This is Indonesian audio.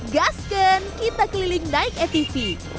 gaskan kita keliling daiketv